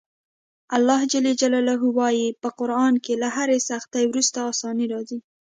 الله ج وایي په قران کې له هرې سختي وروسته اساني راځي.